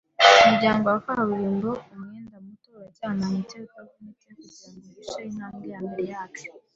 umuryango wa kaburimbo umwenda muto uracyamanitse utavunitse kugirango uhishe intambwe yambere yacu